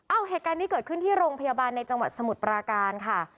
เหตุการณ์นี้เกิดขึ้นที่โรงพยาบาลในจังหวัดสมุทรปราการค่ะ